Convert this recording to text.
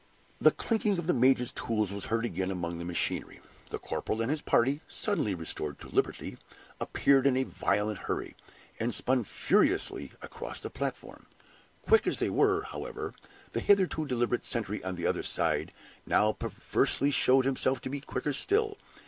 The clicking of the major's tools was heard again among the machinery; the corporal and his party, suddenly restored to liberty, appeared in a violent hurry, and spun furiously across the platform. Quick as they were, however, the hitherto deliberate sentry on the other side now perversely showed himself to be quicker still.